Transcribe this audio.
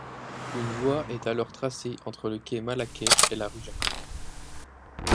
Une voie est alors tracée entre le quai Malaquais et la rue Jacob.